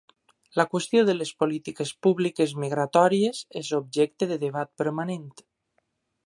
La qüestió de les polítiques públiques migratòries és objecte de debat permanent.